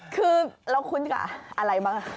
คือเราคุ้นกับอะไรบ้าง